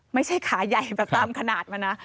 ไม่ใช่ขาใหญ่แบบตามขนาดมันนะ